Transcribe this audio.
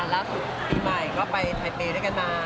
แล้วปีมาอีกก็ไปไทเบย์ด้วยกันนะ